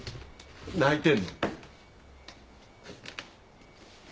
泣いてんの？